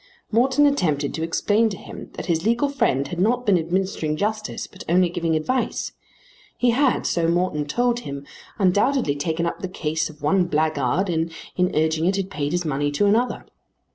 Morton attempted to explain to him that his legal friend had not been administering justice but only giving advice. He had, so Morton told him, undoubtedly taken up the case of one blackguard, and in urging it had paid his money to another.